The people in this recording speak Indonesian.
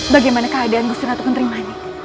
bagaimana keadaan gusti ratu kentering manik